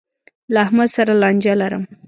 له احمد سره لانجه لرم.